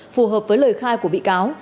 phù hợp với lời khai của bị cáo